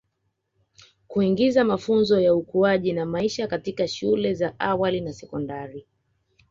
Kuingiza mafunzo ya ukuaji na maisha katika shule za awali na sekondari